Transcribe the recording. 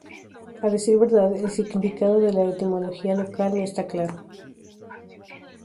A decir verdad, el significado de la etimología local no está claro.